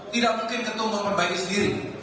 tidak mungkin ketua untuk memperbaiki sendiri